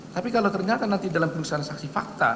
tapi kalau ternyata nanti dalam perusahaan saksi fakta